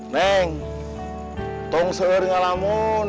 neng tunggu segera ya allah